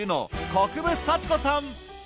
国分佐智子さん。